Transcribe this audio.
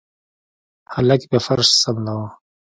هلک يې په فرش سملوه.